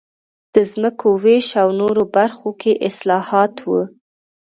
د ځمکو وېش او نورو برخو کې اصلاحات و